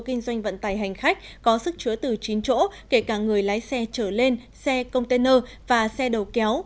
trên khách có sức chứa từ chín chỗ kể cả người lái xe trở lên xe container và xe đầu kéo